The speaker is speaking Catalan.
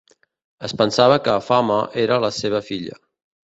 Es pensava que Fama era la seva filla.